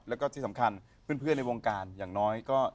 แล้วก็ที่สำคัญเพื่อนในวงการอย่างน้อยก็